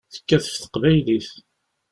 Tekkat ɣef teqbaylit.